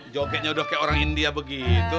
jogetnya udah kayak orang india begitu